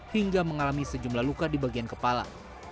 hingga mengalami sejumlah luka di bagian kepala